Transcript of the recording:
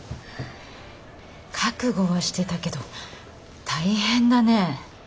覚悟はしてたけど大変だね。